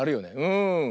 うん。